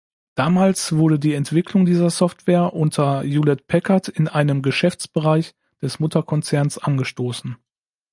Damals wurde die Entwicklung dieser Software unter Hewlett-Packard in einem Geschäftsbereich des Mutterkonzerns angestoßen.